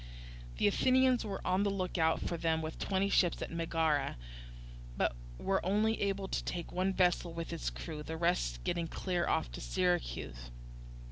The Athenians were on the look out for them with twenty ships at Megara, but were only able to take one vessel with its crew; the rest getting clear off to Syracuse.